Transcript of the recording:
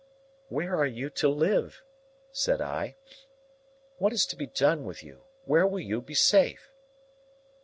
"Where are you to live?" said I. "What is to be done with you? Where will you be safe?"